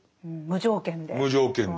無条件で。